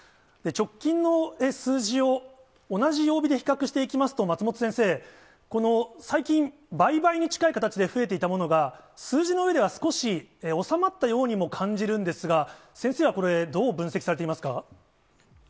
直近の数字を同じ曜日で比較していきますと、松本先生、この最近、倍々に近い形で増えていたものが、数字の上では、少し収まったようにも感じるんですが、先生はこれ、どう分析されていますか？